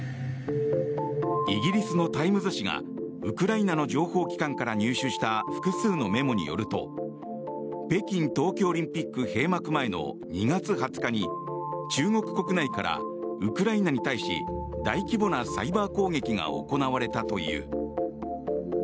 イギリスのタイムズ紙がウクライナの情報機関から入手した複数のメモによると北京冬季オリンピック閉幕前の２月２０日に中国国内からウクライナに対し大規模なサイバー攻撃が行われたという。